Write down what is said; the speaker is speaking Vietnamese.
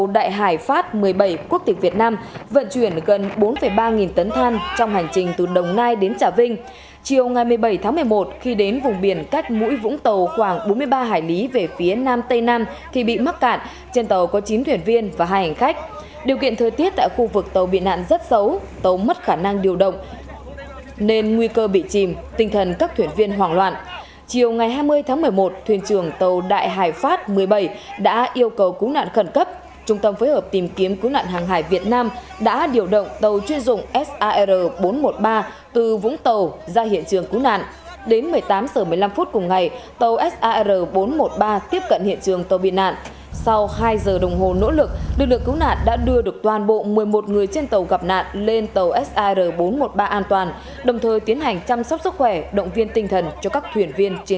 đồng thời tiến hành chăm sóc sức khỏe động viên tinh thần cho các thuyền viên trên tàu bị nạn